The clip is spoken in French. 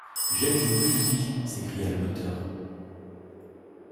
Jette les deux fusils! s’écria le docteur.